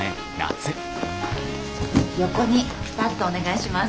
横にピタッとお願いします。